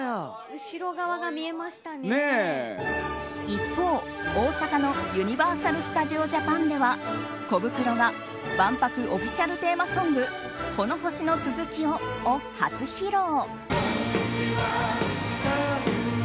一方、大阪のユニバーサル・スタジオ・ジャパンではコブクロが万博オフィシャルテーマソング「この地球の続きを」を初披露。